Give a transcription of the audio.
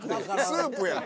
スープやん。